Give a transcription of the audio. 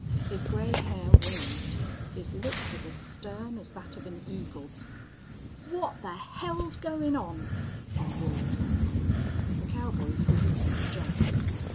His gray hair waved. His look was as stern as that of an eagle. "What the hell's goin' on?" he roared. The cowboys released Jack.